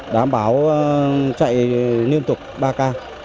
đảm bảo chạy liên tục ba k hai mươi bốn hai mươi bốn